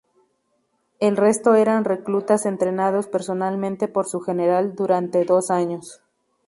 El resto eran reclutas entrenados personalmente por su general durante dos años.